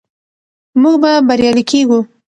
موږ به بریالي کیږو.